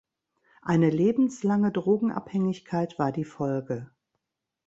Eine lebenslange Drogenabhängigkeit war die Folge.